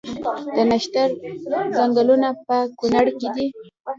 د نښتر ځنګلونه په کنړ کې دي؟